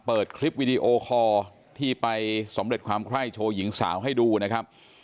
เปิดคลิปวิดีโอคอร์ที่ไปสำเร็จความไคร้โชว์หญิงสาวให้ดูนะครับ